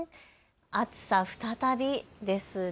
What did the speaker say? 暑さ、再びですね。